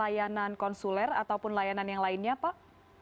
layanan konsuler ataupun layanan yang lainnya pak